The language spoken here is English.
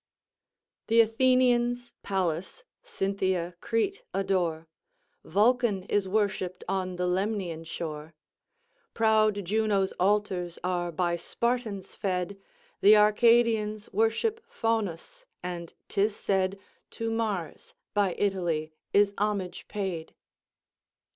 "Th' Athenians Pallas, Cynthia Crete adore, Vulcan is worshipped on the Lemnian shore. Proud Juno's altars are by Spartans fed, Th' Arcadians worship Faunus, and 'tis said To Mars, by Italy, is homage paid."